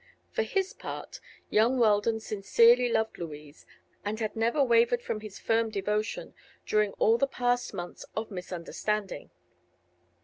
For his part, young Weldon sincerely loved Louise, and had never wavered from his firm devotion during all the past months of misunderstanding.